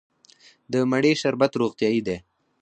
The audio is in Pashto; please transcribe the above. د مڼې شربت روغتیایی دی.